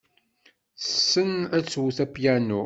Tessen ad twet apyanu.